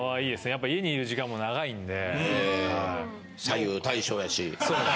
やっぱ家にいる時間も長いんで。